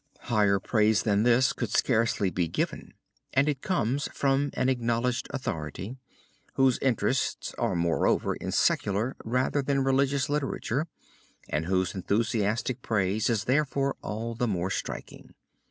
Higher praise than this could scarcely be given and it comes from an acknowledged authority, whose interests are moreover in secular rather than religious literature, and whose enthusiastic praise is therefore all the more striking.